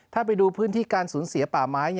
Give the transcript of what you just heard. ถ้าไปดูพื้นที่การสูญเสียป่าไม้